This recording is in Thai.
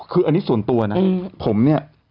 คืออันนี้ส่วนตัวนะผมเนี่ย